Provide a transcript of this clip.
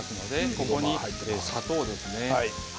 ここに砂糖です。